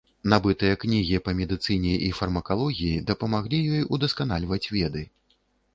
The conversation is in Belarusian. Набытыя кнігі па медыцыне і фармакалогіі дапамаглі ёй удасканальваць веды.